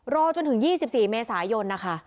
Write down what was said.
รอจนถึง๒๔เมษายนนะคะ